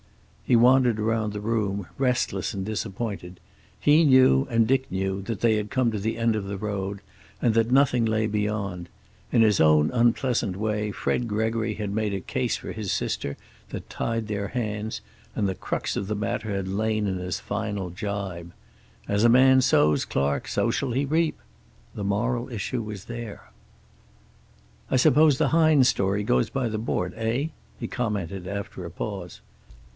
He wandered around the room, restless and disappointed. He knew, and Dick knew, that they had come to the end of the road, and that nothing lay beyond. In his own unpleasant way Fred Gregory had made a case for his sister that tied their hands, and the crux of the matter had lain in his final gibe: "As a man sows, Clark, so shall he reap." The moral issue was there. "I suppose the Hines story goes by the board, eh?" he commented after a pause.